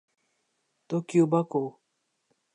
تو کیوبا کو۔